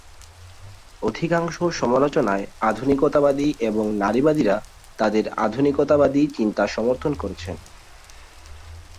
অধিকাংশ সমালোচনায় আধুনিকতাবাদী এবং নারীবাদীরা তাদের আধুনিকতাবাদী চিন্তা সমর্থন করেছেন।